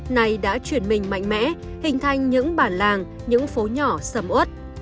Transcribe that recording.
này đã chuyển mình mạnh mẽ hình thành những bản làng những phố nhỏ sầm út